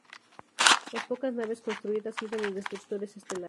Las pocas naves construidas iban en destructores estelares.